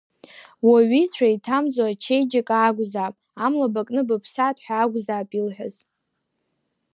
Уаҩ ицәа иҭамӡо ачеиџьыка акәзаап, амла бакны быԥсаат ҳәа акәзаап илҳәаз.